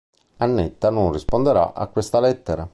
Annetta non risponderà a questa lettera.